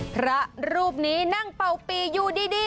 พระรูปนี้นั่งเป่าปีอยู่ดี